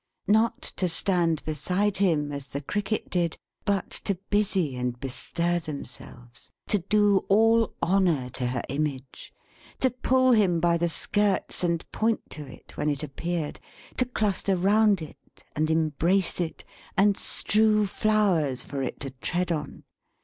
Not to stand beside him as the Cricket did, but to busy and bestir themselves. To do all honor to Her image. To pull him by the skirts, and point to it when it appeared. To cluster round it, and embrace it, and strew flowers for it to tread on.